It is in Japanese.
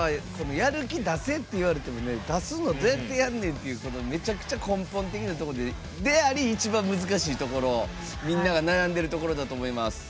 やる気出せって言われても出すのどうやってやんねんっていうめちゃくちゃ根本的なところであり一番難しいところみんなが悩んでいるところだと思います。